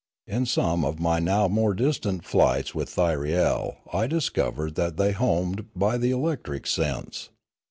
In some of my now more distant flights with Thyriel I discovered that they homed by the electric sense.